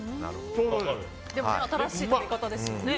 でも新しい食べ方ですよね。